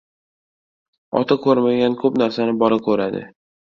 • Ota ko‘rmagan ko‘p narsani bola ko‘radi.